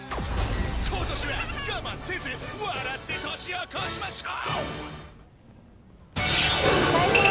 ことしは我慢せず、笑って年を越しましょう。